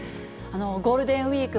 ゴールデンウィーク、